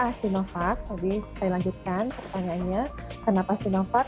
karena sinopharm tadi saya lanjutkan pertanyaannya kenapa sinopharm